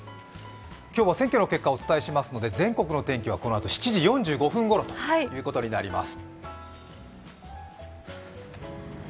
今日は選挙の結果をお伝えしますので全国の天気はこのあと７時４５分ごろということになります。